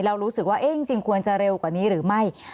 รู้สึกว่าจริงควรจะเร็วกว่านี้หรือไม่